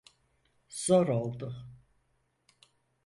Zor oldu.